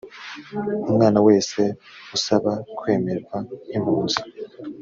umwana wese usaba kwemerwa nk’impunzi